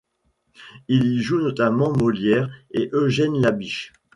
Il y joue notamment Molière et Eugène Labiche.